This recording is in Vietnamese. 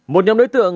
một nhóm đối tượng